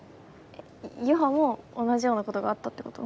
ゆはも同じようなことがあったってこと？